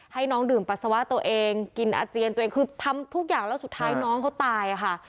ให้น้องดื่มปัสสาวะตัวเองกินอาเจียนตัวเองคือทำทุกอย่างแล้วสุดท้ายน้องเขาตายค่ะ